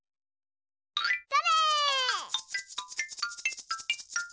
それ！